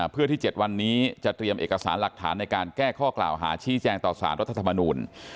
เพื่อที่๗วันนี้จะเตรียมเอกสารหลักฐานในการแก้ข้อกล่าวหาชี้แจงต่อสารรัฐธรรมนูล